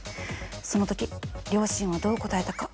その時両親はどう答えたか。